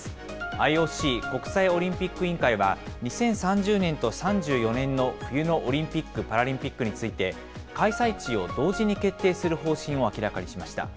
ＩＯＣ・国際オリンピック委員会は、２０３０年と３４年の冬のオリンピック・パラリンピックについて、開催地を同時に決定する方針を明らかにしました。